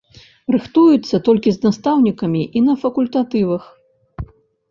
Рыхтуецца толькі з настаўнікамі і на факультатывах.